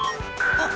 あっ！